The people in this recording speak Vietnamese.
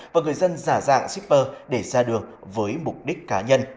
và người dân giả dạng shipper để ra đường với mục đích cá nhân